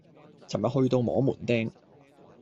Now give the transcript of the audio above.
尋日去到摸門釘